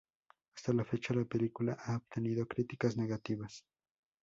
Hasta la fecha, la película ha obtenido críticas negativas.